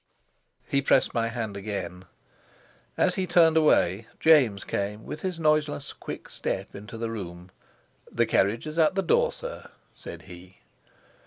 He pressed my hand again. As he turned away, James came with his noiseless, quick step into the room. "The carriage is at the door, sir," said he.